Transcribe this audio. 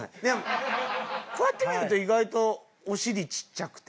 こうやって見ると意外とお尻ちっちゃくて。